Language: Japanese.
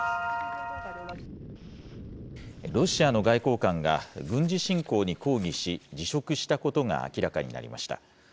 ロシアの外交官が軍事侵攻に抗議し、辞職したことが明らかになりました。